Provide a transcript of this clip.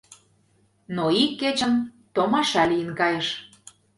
Но ик кечын томаша лийын кайыш.